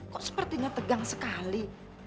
kok sepertinya tegang sekali